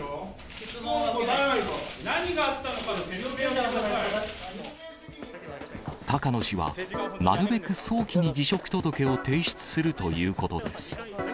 質問に答え何があったのか、自分で言い高野氏は、なるべく早期に辞職届を提出するということです。